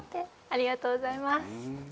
ありがとうございます。